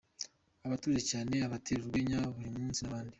Abatuje cyane, abatera urwenya buri munsi n’abandi.